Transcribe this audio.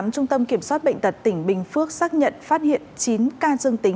trung tâm kiểm soát bệnh tật tỉnh bình phước xác nhận phát hiện chín ca dương tính